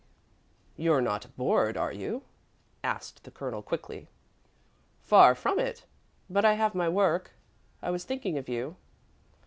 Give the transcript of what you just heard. "You're not bored, are you?" asked the Colonel, quickly. "Far from it, but I have my work. I was thinking of you."